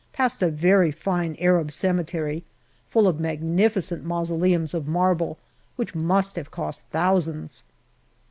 Passed a very fine Arab cemetery, full of magnificent mausoleums of marble which must have cost thousands.